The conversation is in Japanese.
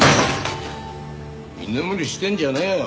居眠りしてんじゃねえよ。